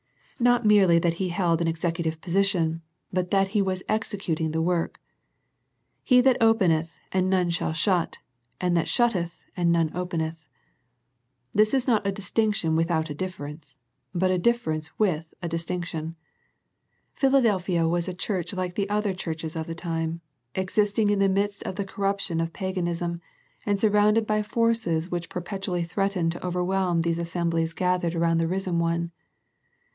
Not merely that He held an executive 164 A First Century Message position, but that He was executing the woric. *' He that openeth, and none shall shut, and that shutteth and none openeth." This is not a distinction without a difference, but a dif ference with a distinction. Philadelphia was a church like the other churches of the time, existing in the midst of the corruption of pa ganism, and surrounded by forces which per petually threatened to overwhelm these assem blies gathered around the risen One.